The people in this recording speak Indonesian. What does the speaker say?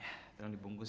ya terang dibungkus ya